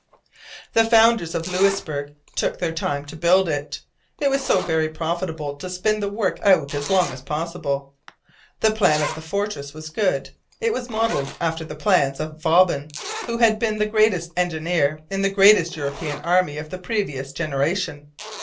The founders of Louisbourg took their time to build it. It was so very profitable to spin the work out as long as possible. The plan of the fortress was good. It was modelled after the plans of Vauban, who had been the greatest engineer in the greatest European army of the previous generation.